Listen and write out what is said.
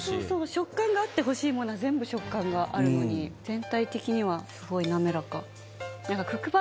食感があってほしいものは全部食感があるのに全体的にはすごい滑らか。